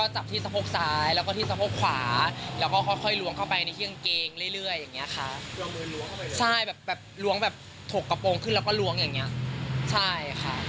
ใช่แบบล้วงแบบถกกระโปรงขึ้นแล้วก็ล้วงอย่างนี้ใช่ค่ะ